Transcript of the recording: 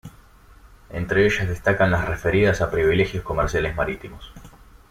Entre ellas destacan las referidas a privilegios comerciales marítimos.